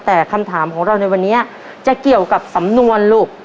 แต่คำถามของเราในวันนี้จะเกี่ยวกับสำนวนลูก